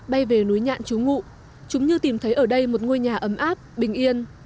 bay về núi nhạn chú ngự chúng như tìm thấy ở đây một ngôi nhà ấm áp bình yên